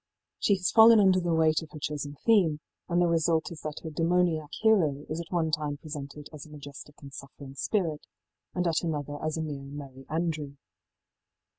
She has fallen under the weight of her chosen theme, and the result is that her demoniac hero is at one time presented as a majestic and suffering spirit, and at another as a mere Merry Andrew.